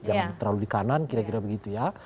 jangan terlalu di kanan kira kira begitu ya